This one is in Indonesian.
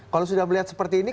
kalau sudah melihat seperti ini